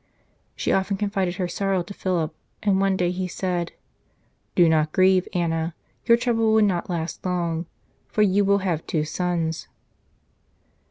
She often confided her sorrow to Philip, and one day he said :" Do not grieve, Anna ; your trouble will not last long, for you will have two sons."